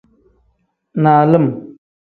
Nalim.